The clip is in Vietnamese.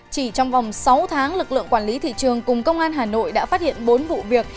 chỉ trong vòng sáu tháng lực lượng quản lý thị trường cùng công an hà nội đã phát hiện bốn vụ việc